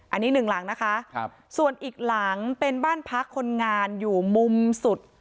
อันนี้หนึ่งหลังนะคะส่วนอีกหลังเป็นบ้านพักคนงานอยู่มุมสุด